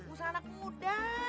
usaha anak muda